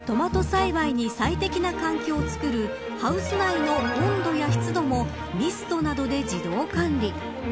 トマト栽培に最適な環境を作るハウス内の温度や湿度もミストなどで自動管理。